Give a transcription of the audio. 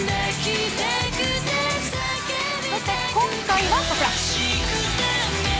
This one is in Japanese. そして、今回はこちら。